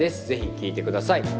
ぜひ聴いてください。